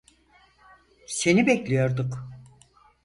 Seni bekliyorduk.